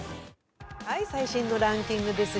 最新のランキングです。